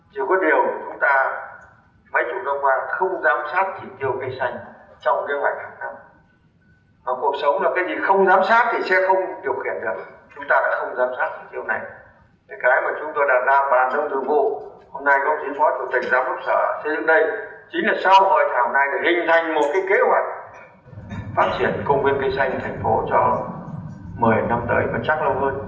chính là sau hội thảo này hình thành một kế hoạch phát triển công viên cây xanh thành phố cho một mươi năm tới và chắc lâu hơn